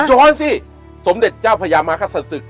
ย้อนสิสมเด็จเจ้าพญามาคศศึก